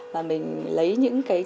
và mình lấy những cái